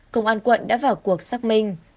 công an quận đã vào cuộc xác minh